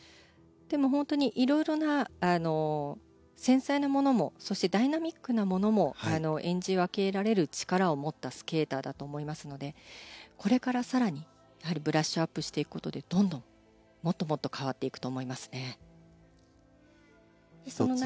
本当にいろいろな繊細なものもそしてダイナミックなものも演じ分けられる力を持ったスケーターだと思いますのでこれから更にブラッシュアップしていくことでどんどん、もっともっと変わっていくと思いますね。